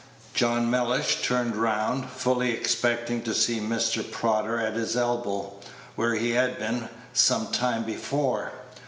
John Mellish turned round, fully expecting to see Mr. Prodder at his elbow, where he had been some time before.